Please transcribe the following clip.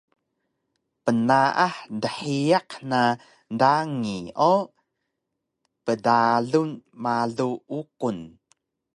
Pnaah dhiyaq na dangi o qdalun malu uqun